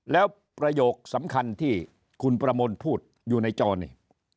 แล้วประโยคสำคัญที่คุณประมลพูดอยู่ในจอนี่